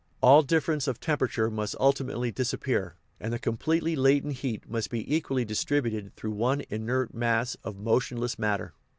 All difference of temperature must ulti mately disappear, and the completely latent heat must be equally distributed through one inert mass of mo tionless matter.